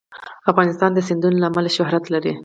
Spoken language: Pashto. افغانستان د سیندونه له امله شهرت لري.